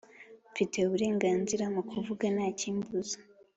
Nfite uburenganzira mu kuvuga nta kimbuza